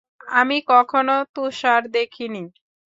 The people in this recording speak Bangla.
আমি কখনো তুষার দেখিনি।